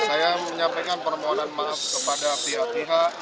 saya menyampaikan permohonan maaf kepada pihak pihak